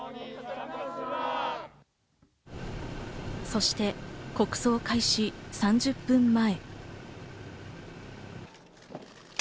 そして、国葬開始３０分前。